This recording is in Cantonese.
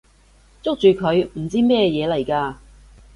捉住佢！唔知咩嘢嚟㗎！